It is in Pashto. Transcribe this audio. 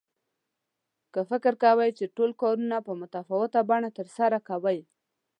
که فکر کوئ چې ټول کارونه په متفاوته بڼه ترسره کوئ.